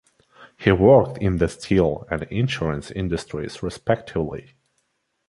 He worked in the steel and insurance industries respectively.